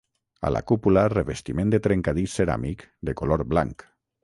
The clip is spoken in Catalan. A la cúpula revestiment de trencadís ceràmic de color blanc.